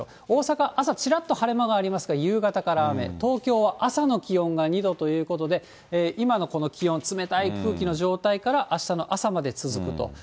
大阪、朝ちらっと晴れ間がありますが、夕方から雨、東京は朝の気温が２度ということで、今のこの気温、冷たい空気の状態から、あしたの朝まで続くと。